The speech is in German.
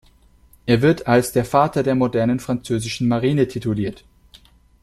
Er wird als der „Vater“ der modernen französischen Marine tituliert.